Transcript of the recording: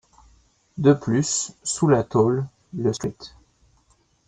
De plus, sous la tôle, le St.